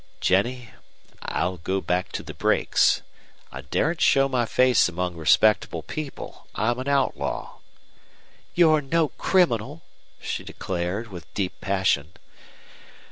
"Jennie, I'll go back to the brakes. I daren't show my face among respectable people. I'm an outlaw." "You're no criminal!" she declared, with deep passion.